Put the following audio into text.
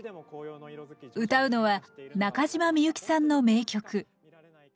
歌うのは中島みゆきさんの名曲「旅人のうた」